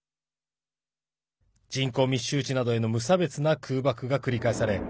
人口密集地などへの無差別な空爆が繰り返され